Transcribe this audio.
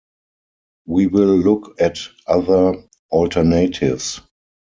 We will look at other alternatives.